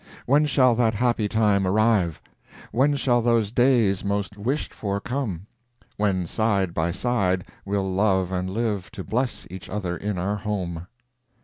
When shall that happy time arrive? When shall those days most wished for come? When side by side we'll love and live To bless each other in our home.